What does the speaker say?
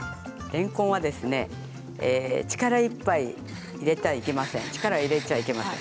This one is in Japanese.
れんこんは力いっぱい入れてはいけません。